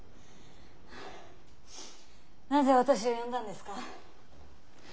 なぜ私を呼んだんですか？